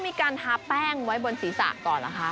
เขาต้องมีการทาแป้งไว้บนศีรษะก่อนล่ะคะ